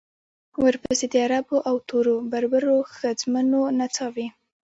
ورپسې د عربو او تورو بربرو ښځمنو نڅاوې.